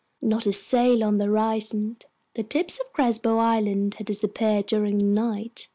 Not a sail on the horizon. The tips of Crespo Island had disappeared during the night.